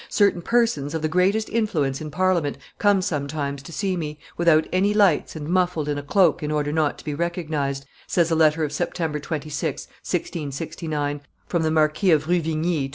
"Certain persons of the greatest influence in Parliament come sometimes to see me, without any lights and muffled in a cloak in order not to be recognized," says a letter of September 26, 1669, from the Marquis of Ruvigny to M.